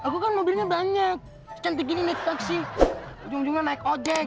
aku kan mobilnya banyak cantik ini naik taksi ujung ujungnya naik ojek